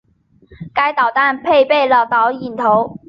该导弹配备了导引头。